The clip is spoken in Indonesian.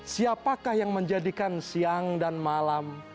siapakah yang menjadikan siang dan malam